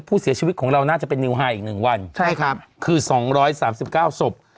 ผู้เสียชีวิตของเราน่าจะเป็นอีกหนึ่งวันใช่ครับคือสองร้อยสามสิบเก้าสบ